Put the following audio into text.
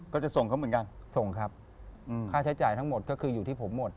ก็จะส่งเขาเหมือนกันส่งครับค่าใช้จ่ายทั้งหมดก็คืออยู่ที่ผมหมด